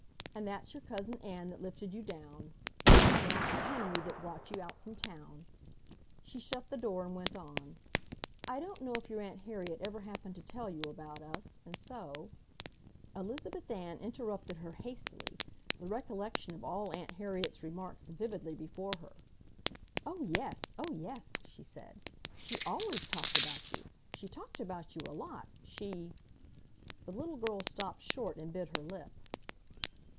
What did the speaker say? And that's your Cousin Ann that lifted you down, and it was your Uncle Henry that brought you out from town." She shut the door and went on, "I don't know if your Aunt Harriet ever happened to tell you about us, and so ..." Elizabeth Ann interrupted her hastily, the recollection of all Aunt Harriet's remarks vividly before her. "Oh yes, oh yes!" she said. "She always talked about you. She talked about you a lot, she ..." The little girl stopped short and bit her lip.